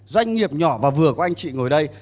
doanh nghiệp nhỏ và vừa của anh chị ngồi đây